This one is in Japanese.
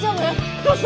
どうした？